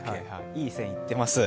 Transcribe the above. いい線いってます。